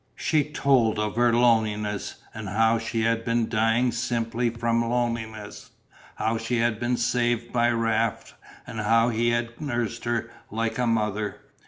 She told of her loneliness, and how she had been dying simply from loneliness, how she had been saved by Raft and how he had nursed her like a mother.